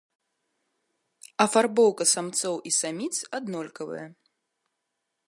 Афарбоўка самцоў і саміц аднолькавая.